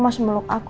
mas meluk aku